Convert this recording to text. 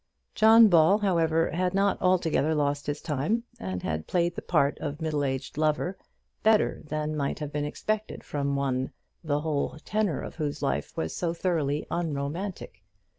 John Ball, however, had not altogether lost his time, and had played the part of middle aged lover better than might have been expected from one the whole tenor of whose life was so thoroughly unromantic.